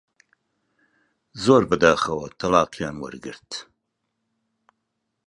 زۆر بەداخەوە تەڵاقیان وەرگرت